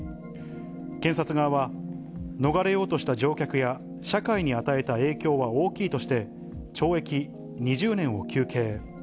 検察側は、逃れようとした乗客や社会に与えた影響は大きいとして、懲役２０年を求刑。